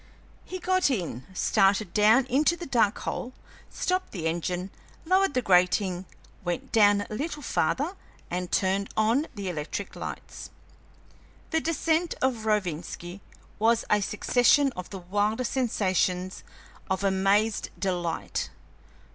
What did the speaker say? He got in, started down into the dark hole, stopped the engine, lowered the grating, went down a little farther, and turned on the electric lights. The descent of Rovinski was a succession of the wildest sensations of amazed delight.